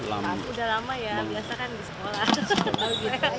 sudah lama ya biasa kan di sekolah